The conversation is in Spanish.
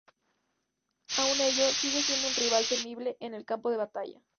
Aun ello, sigue siendo un rival temible en el campo de batalla.